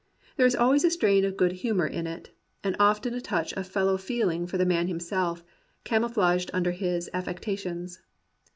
There is always a strain of good humour in it, and often a touch of fellow feeling for the man himself, camouflaged under his affectations.